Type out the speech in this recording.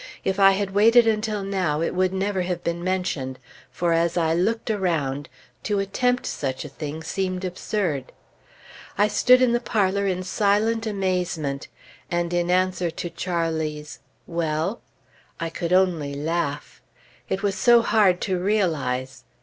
If I had waited until now, it would never have been mentioned; for as I looked around, to attempt such a thing seemed absurd. I stood in the parlor in silent amazement; and in answer to Charlie's "Well?" I could only laugh. It was so hard to realize.